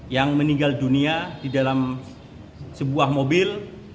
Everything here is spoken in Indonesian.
yang meninggal dunia di dalam sebuah mobil